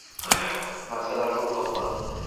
Maysalarga, o‘tloqqa.